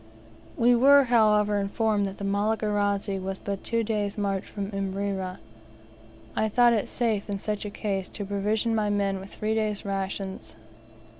We were, however, informed that the Malagarazi was but two days' march from Imrera. I thought it safe, in such a case, to provision my men with three days' rations.